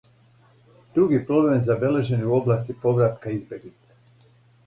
Други проблем забележен је у области повратка избеглица.